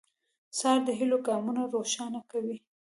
سهار د هيلو ګامونه روښانه کوي.